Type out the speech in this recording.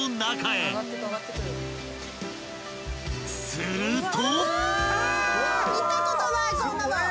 ［すると］